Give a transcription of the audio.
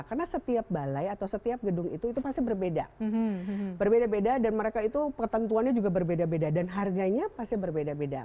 karena setiap balai atau setiap gedung itu itu pasti berbeda berbeda beda dan mereka itu ketentuannya juga berbeda beda dan harganya pasti berbeda beda